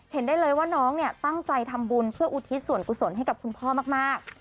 เห็นได้เลยว่าน้องเนี่ยตั้งใจทำบุญเพื่ออุทิศส่วนกุศลให้กับคุณพ่อมาก